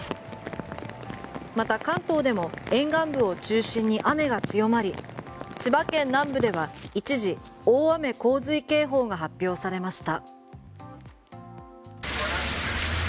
また関東でも沿岸部を中心に雨が強まり千葉県南部では一時大雨・洪水警報が発表されました。